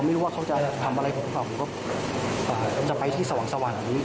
ไม่รู้ว่าเขาจะทำอะไรกับกับผมก็จะไปที่สว่างสว่างนี้